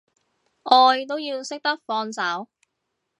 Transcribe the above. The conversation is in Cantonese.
愛都要識得放手